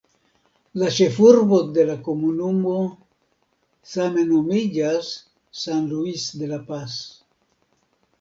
La ĉefurbo de la komunumo same nomiĝas "San Luis de la Paz".